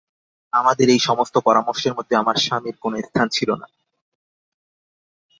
আমাদের এই-সমস্ত পরামর্শের মধ্যে আমার স্বামীর কোনো স্থান ছিল না।